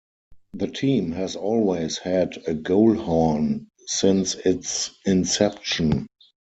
The team has always had a goal horn since its inception.